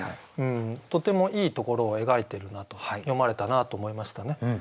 とてもいいところを描いてるなと詠まれたなと思いましたね。